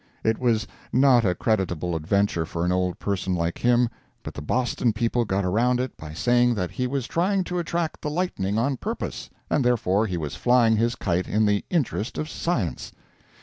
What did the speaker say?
It was not a creditable adventure for an old person like him, but the Boston people got around it by saying that he was trying to attract the lightning on purpose, and therefore he was flying his kite in the interest of science.